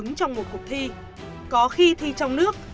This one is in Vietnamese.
có khi họ thi trong một cuộc thi có khi thi trong nước